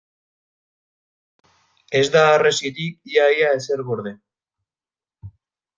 Ez da harresitik ia-ia ezer gorde.